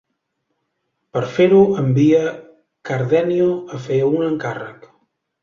Per fer-ho, envia Cardenio a fer un encàrrec.